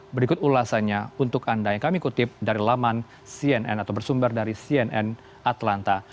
berikut ulasannya untuk anda yang kami kutip dari laman cnn atau bersumber dari cnn atlanta